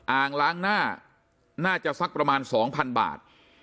อ่างล้างหน้าน่าจะสักประมาณ๒๐๐๐บาท